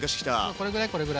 これぐらいこれぐらい。